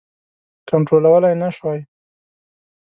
کنټرولولای نه شوای.